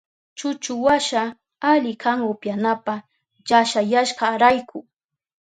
Chuchuwasha ali kan upyanapa llashayashkarayku.